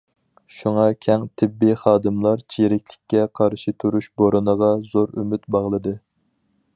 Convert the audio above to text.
شۇڭا، كەڭ تېببىي خادىملار چىرىكلىككە قارشى تۇرۇش بورىنىغا زور ئۈمىد باغلىدى.